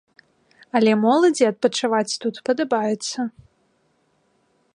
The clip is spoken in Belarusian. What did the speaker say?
Але моладзі адпачываць тут падабаецца.